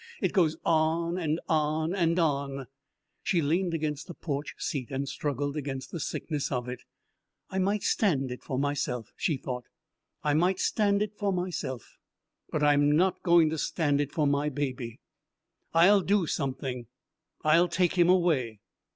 It goes on and on and on." She leaned against the porch seat and struggled against the sickness of it. "I might stand it for myself," she thought. "I might stand it for myself; but I'm not going to stand it for my baby. I'll do something I'll take him away."